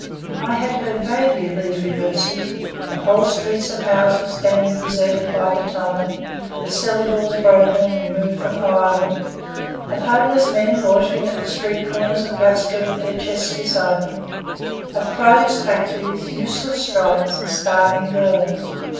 I had heard vaguely of these reverses; of whole streets of houses standing deserted by the Tyne, the cellar doors broken and removed for firewood; of homeless men loitering at the street corners of Glasgow with their chests beside them; of closed factories, useless strikes, and starving girls.